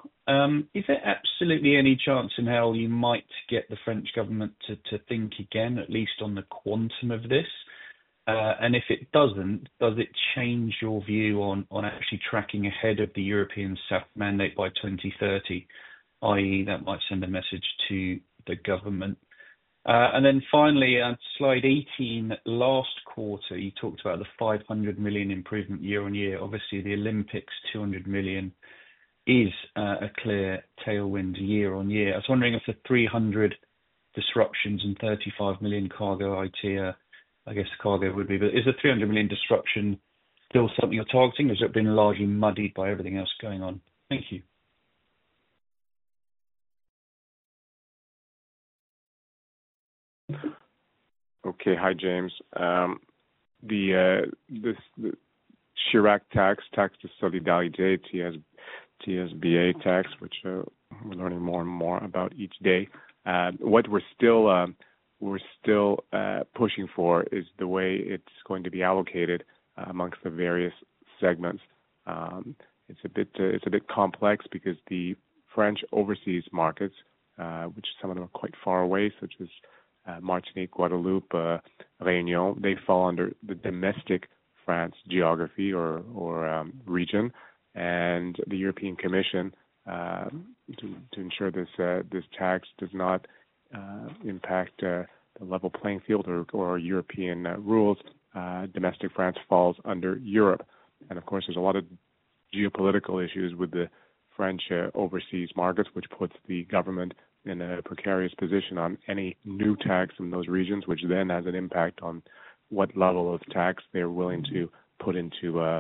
is there absolutely any chance in hell you might get the French government to think again, at least on the quantum of this? And if it doesn't, does it change your view on actually tracking ahead of the European SAF mandate by 2030? I.e., that might send a message to the government. And then finally, on slide 18, last quarter, you talked about the 500 million improvement year on year. Obviously, the Olympics, 200 million is a clear tailwind year on year. I was wondering if the 300 million disruptions and 35 million cargo idea, I guess cargo would be, but is the 300 million disruption still something you're targeting? Has it been largely muddied by everything else going on? Thank you. Okay. Hi, James. The Chirac tax, taxe de solidarité, TSBA tax, which we're learning more and more about each day. What we're still pushing for is the way it's going to be allocated among the various segments. It's a bit complex because the French overseas markets, which some of them are quite far away, such as Martinique, Guadeloupe, Réunion, they fall under the domestic France geography or region. And the European Commission, to ensure this tax does not impact the level playing field or European rules, domestic France falls under Europe. And of course, there's a lot of geopolitical issues with the French overseas markets, which puts the government in a precarious position on any new tax in those regions, which then has an impact on what level of tax they're willing to put into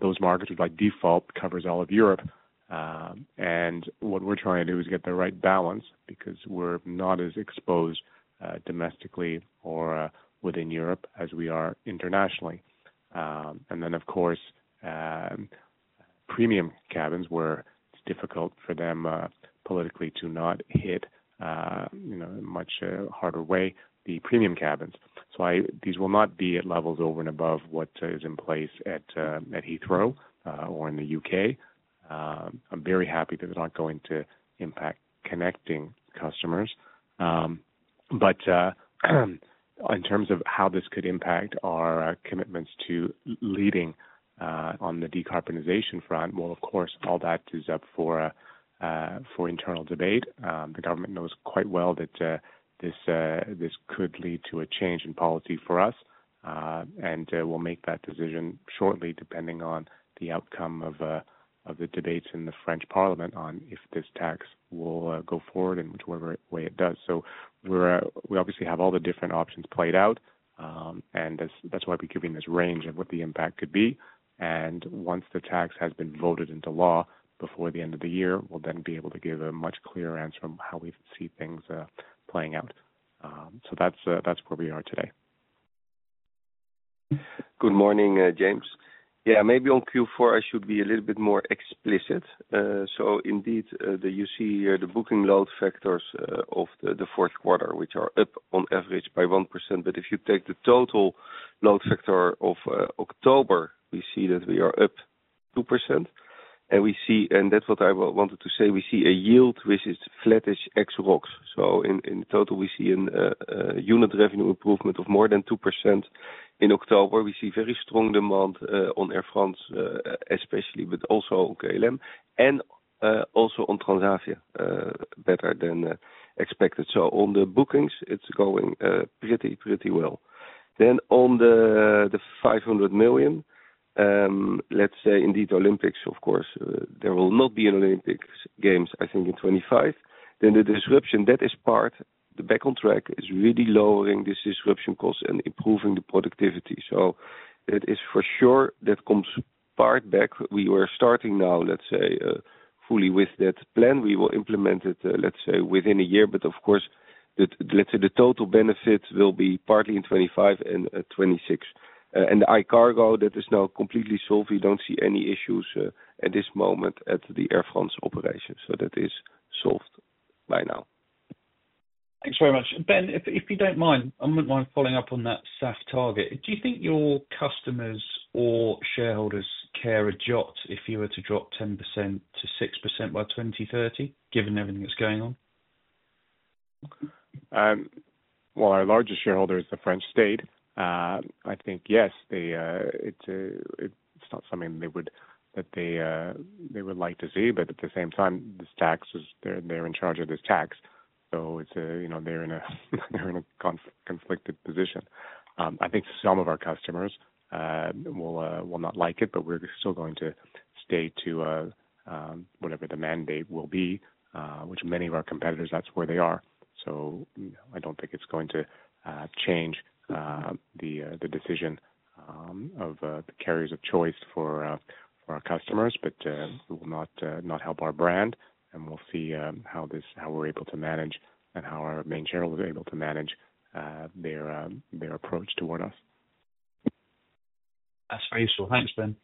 those markets, which by default covers all of Europe. And what we're trying to do is get the right balance because we're not as exposed domestically or within Europe as we are internationally. And then, of course, premium cabins, where it's difficult for them politically to not hit in a much harder way, the premium cabins. So these will not be at levels over and above what is in place at Heathrow or in the U.K. I'm very happy that they're not going to impact connecting customers. But in terms of how this could impact our commitments to leading on the decarbonization front, well, of course, all that is up for internal debate. The government knows quite well that this could lead to a change in policy for us. And we'll make that decision shortly, depending on the outcome of the debates in the French Parliament on if this tax will go forward in whichever way it does. So we obviously have all the different options played out. And that's why we're giving this range of what the impact could be. Once the tax has been voted into law before the end of the year, we'll then be able to give a much clearer answer on how we see things playing out. So that's where we are today. Good morning, James. Yeah, maybe on Q4, I should be a little bit more explicit. So indeed, you see here the booking load factors of the fourth quarter, which are up on average by 1%. But if you take the total load factor of October, we see that we are up 2%. And that's what I wanted to say. We see a yield, which is flattish ex rot. So in total, we see a unit revenue improvement of more than 2% in October. We see very strong demand on Air France, especially, but also KLM, and also on Transavia, better than expected. So on the bookings, it's going pretty, pretty well. Then on the 500 million, let's say indeed Olympics, of course, there will not be an Olympic Games, I think, in 2025. Then the disruption, that is part, the Back on Track is really lowering this disruption cost and improving the productivity. So it is for sure that comes part back. We were starting now, let's say, fully with that plan. We will implement it, let's say, within a year. But of course, let's say the total benefit will be partly in 2025 and 2026. And the iCargo, that is now completely solved. We don't see any issues at this moment at the Air France operation. So that is solved by now. Thanks very much. Ben, if you don't mind, I wouldn't mind following up on that SAF target. Do you think your customers or shareholders care a jot if you were to drop 10% to 6% by 2030, given everything that's going on? Our largest shareholder is the French state. I think, yes, it's not something that they would like to see. But at the same time, this tax, they're in charge of this tax. So they're in a conflicted position. I think some of our customers will not like it, but we're still going to stay to whatever the mandate will be, which many of our competitors, that's where they are. So I don't think it's going to change the decision of carriers of choice for our customers. But it will not help our brand. And we'll see how we're able to manage and how our main shareholders are able to manage their approach toward us. That's very useful. Thanks, Ben.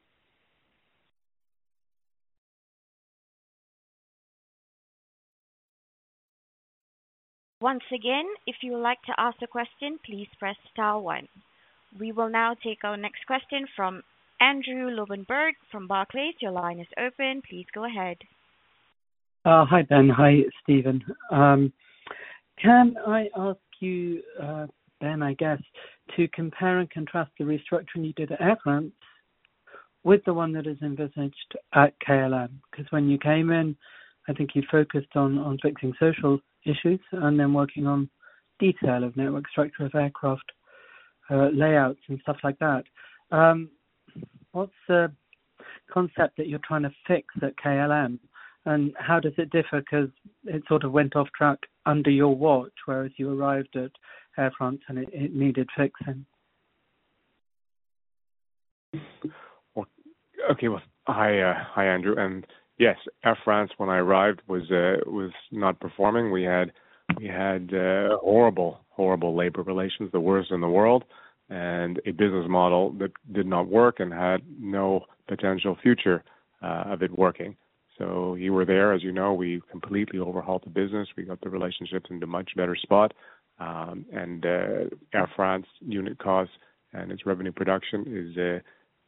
Once again, if you would like to ask a question, please press star one. We will now take our next question from Andrew Lobbenberg from Barclays. Your line is open. Please go ahead. Hi, Ben. Hi, Steven. Can I ask you, Ben, I guess, to compare and contrast the restructuring you did at Air France with the one that is envisaged at KLM? Because when you came in, I think you focused on fixing social issues and then working on detail of network structure of aircraft layouts and stuff like that. What's the concept that you're trying to fix at KLM? And how does it differ? Because it sort of went off track under your watch, whereas you arrived at Air France and it needed fixing. Okay. Hi, Andrew. And yes, Air France, when I arrived, was not performing. We had horrible, horrible labor relations, the worst in the world, and a business model that did not work and had no potential future of it working. So you were there, as you know. We completely overhauled the business. We got the relationships into a much better spot. And Air France unit costs and its revenue production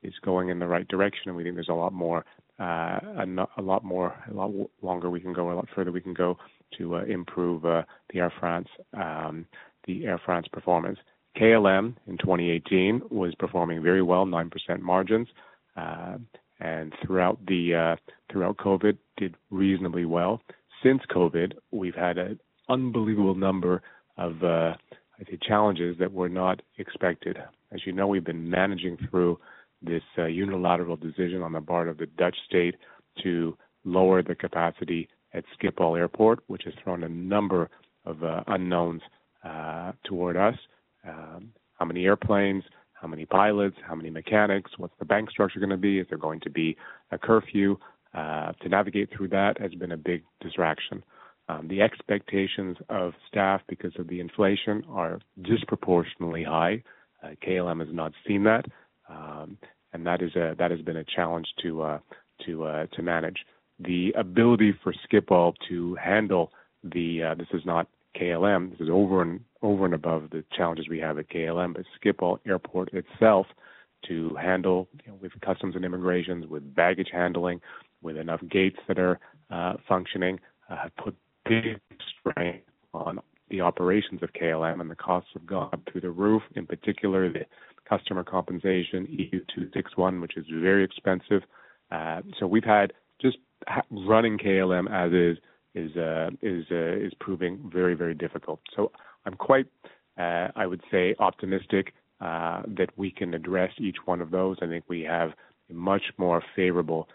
is going in the right direction. And we think there's a lot more, a lot more longer we can go, a lot further we can go to improve the Air France performance. KLM in 2018 was performing very well, 9% margins. And throughout COVID, did reasonably well. Since COVID, we've had an unbelievable number of, I'd say, challenges that were not expected. As you know, we've been managing through this unilateral decision on the part of the Dutch state to lower the capacity at Schiphol Airport, which has thrown a number of unknowns toward us. How many airplanes, how many pilots, how many mechanics? What's the bank structure going to be? Is there going to be a curfew? To navigate through that has been a big distraction. The expectations of staff because of the inflation are disproportionately high. KLM has not seen that, and that has been a challenge to manage. The ability for Schiphol to handle the. This is not KLM. This is over and above the challenges we have at KLM, but Schiphol Airport itself to handle with customs and immigration, with baggage handling, with enough gates that are functioning, have put big strain on the operations of KLM, and the costs have gone up through the roof. In particular, the customer compensation, EU 261, which is very expensive, so we've had just running KLM as is proving very, very difficult, so I'm quite, I would say, optimistic that we can address each one of those. I think we have a much more favorable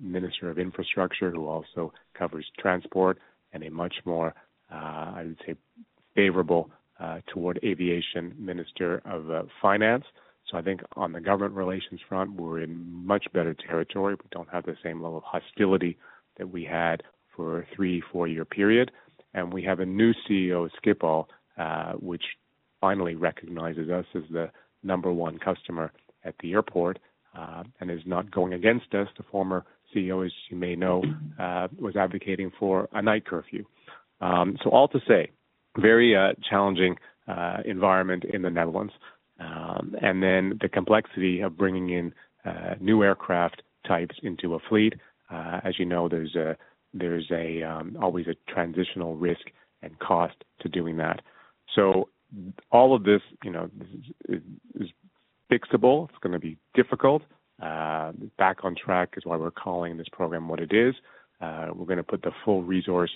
Minister of Infrastructure, who also covers transport, and a much more, I would say, favorable toward aviation Minister of Finance, so I think on the government relations front, we're in much better territory. We don't have the same level of hostility that we had for a three, four-year period, and we have a new CEO at Schiphol, which finally recognizes us as the number one customer at the airport and is not going against us. The former CEO, as you may know, was advocating for a night curfew, so all to say, very challenging environment in the Netherlands. And then the complexity of bringing in new aircraft types into a fleet. As you know, there's always a transitional risk and cost to doing that. So all of this is fixable. It's going to be difficult. Back on Track is why we're calling this program what it is. We're going to put the full resource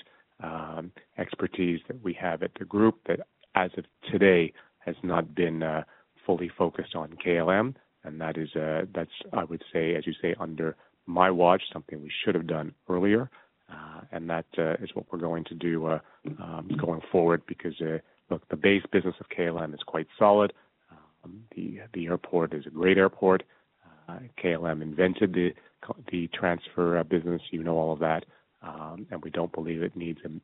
expertise that we have at the group that, as of today, has not been fully focused on KLM. And that is, I would say, as you say, under my watch, something we should have done earlier. And that is what we're going to do going forward because, look, the base business of KLM is quite solid. The airport is a great airport. KLM invented the transfer business. You know all of that. And we don't believe it needs an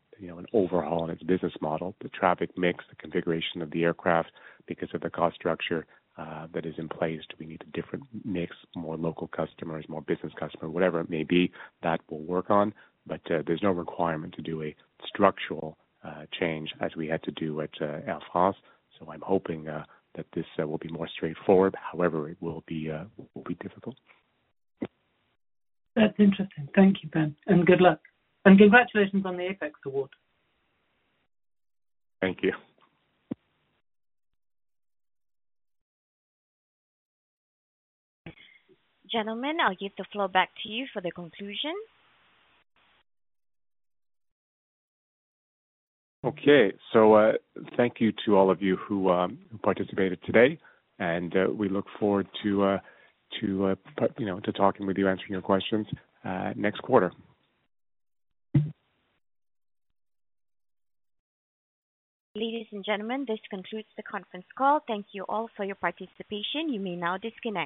overhaul in its business model. The traffic mix, the configuration of the aircraft, because of the cost structure that is in place, we need a different mix, more local customers, more business customers, whatever it may be that we'll work on. But there's no requirement to do a structural change as we had to do at Air France. So I'm hoping that this will be more straightforward. However, it will be difficult. That's interesting. Thank you, Ben. And good luck. And congratulations on the APEX Award. Thank you. Gentlemen, I'll give the floor back to you for the conclusion. Okay. So thank you to all of you who participated today. And we look forward to talking with you, answering your questions next quarter. Ladies and gentlemen, this concludes the conference call. Thank you all for your participation. You may now disconnect.